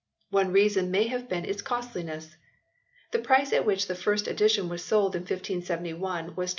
One reason may have been its costliness. The price at which the first edition was sold in 1571 was 27s.